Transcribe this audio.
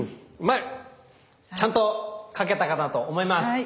まあちゃんと描けたかなと思います。